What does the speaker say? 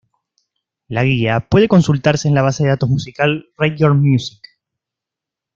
La guía puede consultarse en la base de datos musical Rate Your Music.